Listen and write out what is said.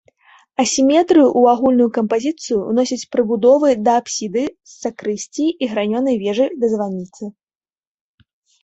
Асіметрыю ў агульную кампазіцыю ўносяць прыбудовы да апсіды сакрысціі і гранёнай вежы да званіцы.